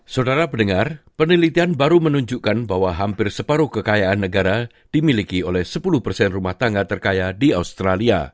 saudara pendengar penelitian baru menunjukkan bahwa hampir separuh kekayaan negara dimiliki oleh sepuluh persen rumah tangga terkaya di australia